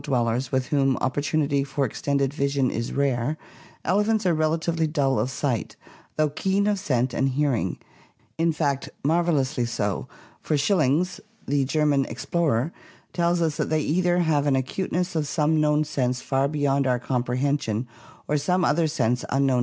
dwellers with whom oppor tunity for extended vision is rare, elephants are rel atively dull of sight, though keen of scent and hearing, in fact, marvelously so, for Schillings, the German ex plorer, tells us that they either have an acuteness of some known sense far be yond our comprehension or some other sense unknown *■,„.